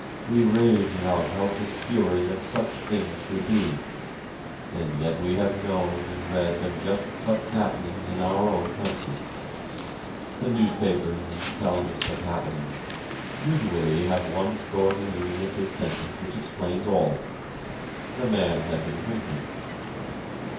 We rage in our helpless fury that such things should be and yet we have known and read of just such happenings in our own country. The newspapers, in telling of such happenings, usually have one short illuminative sentence which explains all: "The man had been drinking."